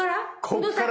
こっから？